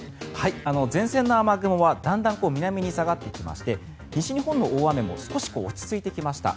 前線の雨雲はだんだん南に下がってきまして西日本の大雨も少し落ち着いてきました。